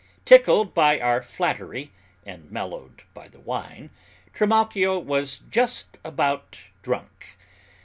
Tickled by our flattery, and mellowed by the wine, Trimalchio was just about drunk.